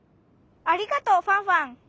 ありがとうファンファン。